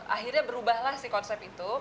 akhirnya berubahlah si konsep itu